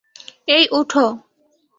এই, ওঠো।